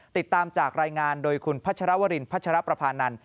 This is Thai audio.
ติดตามจากรายงานโดยคุณพัชรวรินพัชรประพานันท